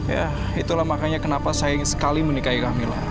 ya itulah makanya kenapa sayang sekali menikahi kamila